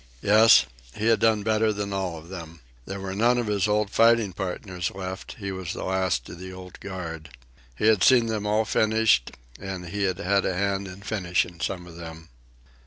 Yes, he had done better than all of them. There were none of his old fighting partners left. He was the last of the old guard. He had seen them all finished, and he had had a hand in finishing some of them.